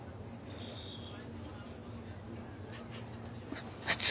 ふ普通？